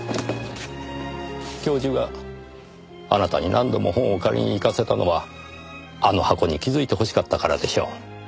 教授があなたに何度も本を借りに行かせたのはあの箱に気づいてほしかったからでしょう。